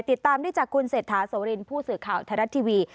ติดตามได้จากคุณเศรษฐาโสรินผู้สื่อข่าวไทยรัฐทีวี